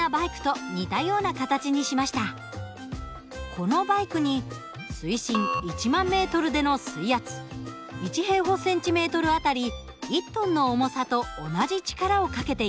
このバイクに水深１万ｍでの水圧１あたり１ｔの重さと同じ力をかけていきます。